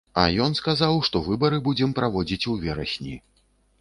А ён сказаў, што выбары будзем праводзіць у верасні.